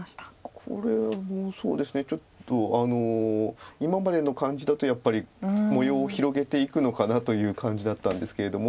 これもちょっと今までの感じだとやっぱり模様を広げていくのかなという感じだったんですけれども。